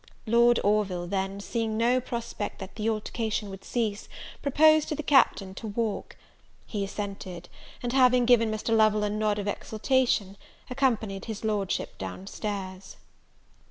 Lord Orville, then, seeing no prospect that the altercation would cease, proposed to the Captain to walk. He assented; and having given Mr. Lovel a nod of exultation, accompanied his Lordship down stairs.